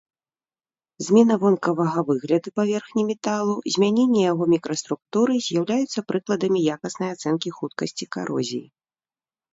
Змена вонкавага выгляду паверхні металу, змяненне яго мікраструктуры з'яўляюцца прыкладамі якаснай ацэнкі хуткасці карозіі.